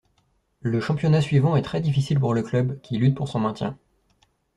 Le championnat suivant est très difficile pour le club, qui lutte pour son maintien.